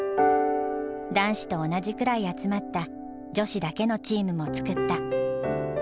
男子と同じくらい集まった女子だけのチームも作った。